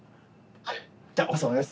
はい。